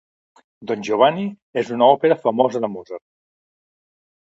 Don Giovanni és una òpera famosa de Mozart